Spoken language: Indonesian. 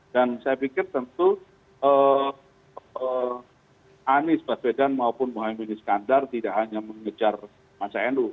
saya pikir tentu anies baswedan maupun muhaymin iskandar tidak hanya mengejar masa nu